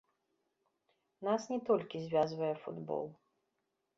Нас не толькі звязвае футбол.